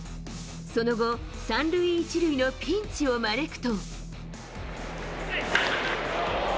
その後、３塁１塁のピンチを招くと。